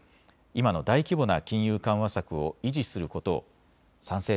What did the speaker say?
今の大規模な金融緩和策を維持することを賛成